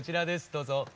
どうぞ。